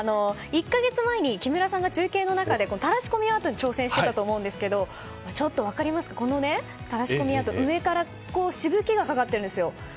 １か月前に木村さんが中継の中で垂らし込みアートに挑戦していたと思うんですけどこの垂らし込みアート上からしぶきがかかってるんですよ。